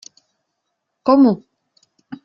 Komu!